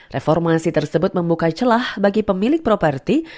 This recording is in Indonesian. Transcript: reformasi tersebut membuka celah bagi pemilik properti